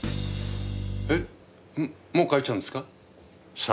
えっもう帰っちゃうんですか？